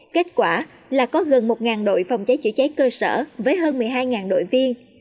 kết quả là có gần một đội phòng cháy chữa cháy cơ sở với hơn một mươi hai đội viên